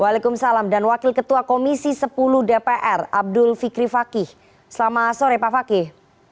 waalaikumsalam dan wakil ketua komisi sepuluh dpr abdul fikri fakih selamat sore pak fakih